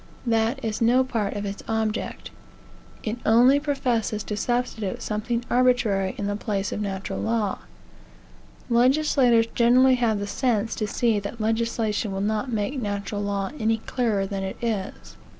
That is no part of its object. It only professes to substitute something arbitrary in the place of natural law. Legislators generally have the sense to see that legislation will not make natural law any clearer than it is.